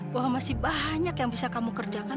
bahwa masih banyak yang bisa kamu kerjakan